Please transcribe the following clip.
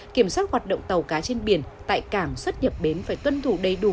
kiểm soát hoạt động tàu cá trên biển tại cảng xuất nhập bến phải tuân thủ đầy đủ